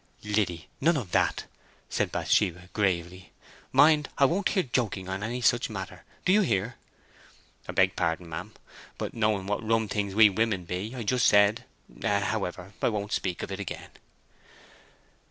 "Liddy—none of that," said Bathsheba, gravely. "Mind, I won't hear joking on any such matter. Do you hear?" "I beg pardon, ma'am. But knowing what rum things we women be, I just said—however, I won't speak of it again."